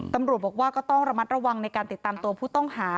ตำรวจบอกว่าก็ต้องระมัดระวังในการติดตามตัวผู้ต้องหา